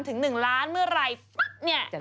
ถึง๑ล้านเมื่อไหร่